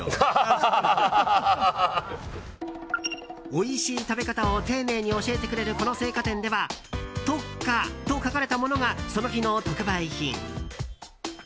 おいしい食べ方を丁寧に教えてくれるこの青果店では特価と書かれたものがその日の特売品。